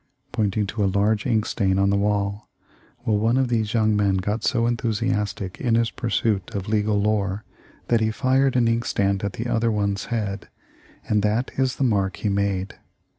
pointing to a large ink stain on the wall. 'Well, one of these young men got so enthusiastic in his pursuit of legal lore that he fired an inkstand at the other one's head, and that is the mark he made.'